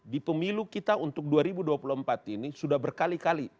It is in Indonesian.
di pemilu kita untuk dua ribu dua puluh empat ini sudah berkali kali dilaksanakan dengan regulasi politik